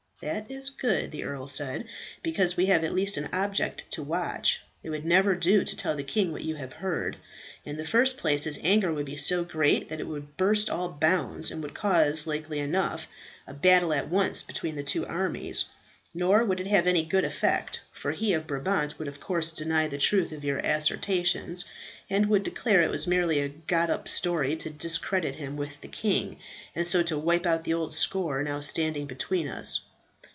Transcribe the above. "That is good," the earl said, "because we have at least an object to watch. It would never do to tell the king what you have heard. In the first place, his anger would be so great that it would burst all bounds, and would cause, likely enough, a battle at once between the two armies; nor would it have any good effect, for he of Brabant would of course deny the truth of your assertions, and would declare it was merely a got up story to discredit him with the king, and so to wipe out the old score now standing between us.